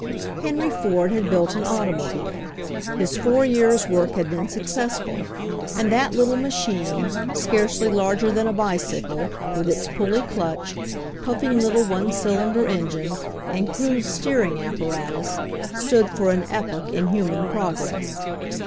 Henry Ford had built an automobile. His four years' work had been successful, and that little machine, scarcely larger than a bicycle, with its pulley clutch, puffing little one cylinder engine, and crude steering apparatus, stood for an epoch in human progress.